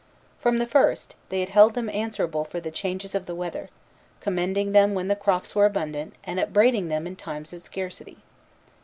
From the first, they had held them answerable for the changes of the weather, commending them when the crops were abundant, and upbraiding them in times of scarcity.